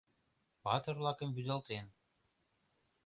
Патыр-влакым вӱдалтен